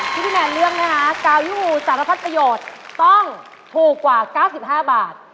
ที่พี่แมนเลือกนะคะกายูสารพัดประโยชน์ต้องถูกกว่า๙๕บาท